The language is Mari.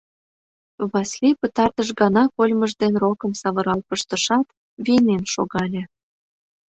Васлий пытартыш гана кольмыж дене рокым савырал пыштышат, вийнен шогале.